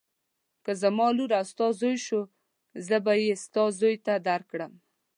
که زما لور او ستا زوی شو زه به یې ستا زوی ته درکړم.